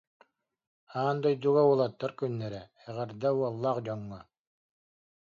Аан дойдуга уолаттар күннэрэ. Эҕэрдэ уоллаах дьоҥҥо!